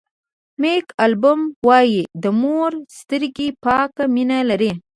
مېک البوم وایي د مور سترګې پاکه مینه لري.